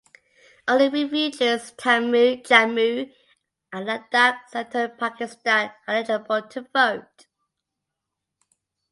Only refugees from Jammu and Ladakh Settled in Pakistan are eligible to vote.